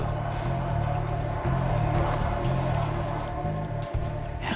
lo bisa dapetin dengan cara yang lain